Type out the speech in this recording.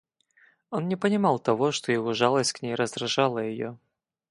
Он не понимал того, что его жалость к ней раздражала ее.